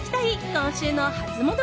今週のハツモノ